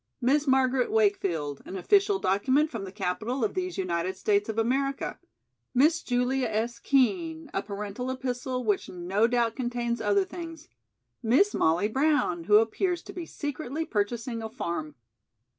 "Miss Margaret Wakefield, an official document from the capital of these United States of America. Miss Julia S. Kean, a parental epistle which no doubt contains other things. Miss Molly Brown, who appears to be secretly purchasing a farm."